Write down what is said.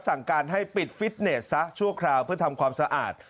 สั่งการให้ปิดฟิตเนสซะชั่วคราวเพื่อทำความสะอาด